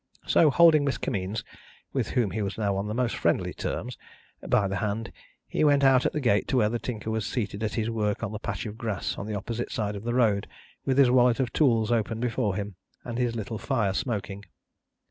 So, holding Miss Kimmeens (with whom he was now on the most friendly terms) by the hand, he went out at the gate to where the Tinker was seated at his work on the patch of grass on the opposite side of the road, with his wallet of tools open before him, and his little fire smoking.